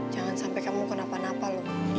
jangan sampe kamu kenapa napa lho